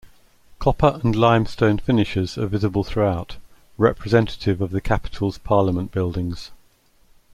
Copper and limestone finishes are visible throughout, representative of the capital's Parliament Buildings.